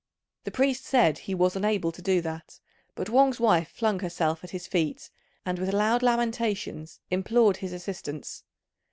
The priest said he was unable to do that; but Wang's wife flung herself at his feet, and with loud lamentations implored his assistance.